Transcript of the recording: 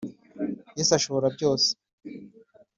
yesu ashobora byose